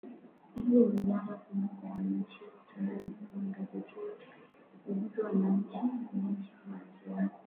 hili ni janga kubwa kwa nchi ya tanzania na magazeti yote uhuru mwananchi majira